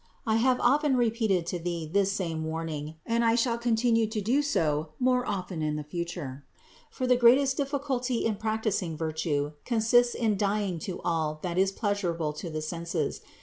I have often repeated to thee this same warning, and I shall continue to do so more often in the future; for the greatest difficulty in practicing virtue consists in dying to all that is pleasurable to the senses.